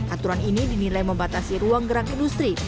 aturan ini dinilai membatasi ruang gerak industri